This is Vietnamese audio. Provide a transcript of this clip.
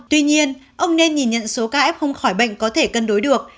tuy nhiên ông nên nhìn nhận số ca f khỏi bệnh có thể cân đối được